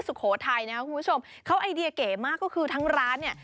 สุโขทัยนะครับคุณผู้ชมเขาไอเดียเก๋มากก็คือทั้งร้านเนี่ย